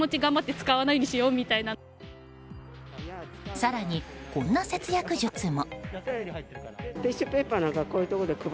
更にこんな節約術も。